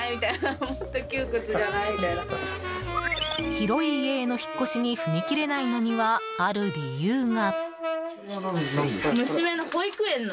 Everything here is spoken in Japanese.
広い家への引っ越しに踏み切れないのには、ある理由が。